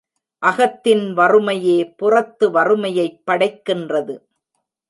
அகத்தின் வறுமையே புறத்து வறுமையைப் படைக்கின்றது.